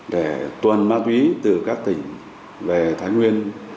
để tuần ma túy từ các tỉnh về thái nguyên